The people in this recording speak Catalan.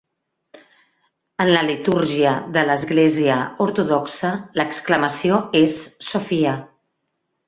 En la litúrgia de l'església ortodoxa, l'exclamació és Sofia!